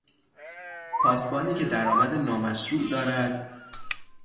پاسبانی که درآمد نامشروع دارد